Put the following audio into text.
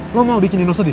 lo mau bikin ino sedih